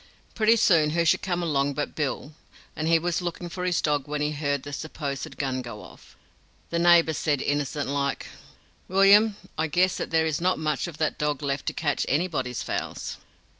Pretty soon who should come along but Bill, and he was looking for his dog when he heard the supposed gun go off. The neighbor said, innocentlike: 'William, I guess that there is not much of that dog left to catch anybody's fowls?'